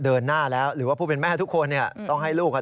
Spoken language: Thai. เดินหน้าแล้วหรือว่าผู้เป็นแม่ทุกคนเนี่ยต้องให้ลูก